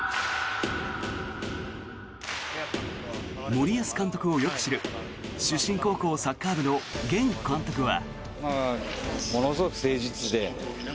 森保監督をよく知る出身高校サッカー部の現監督は。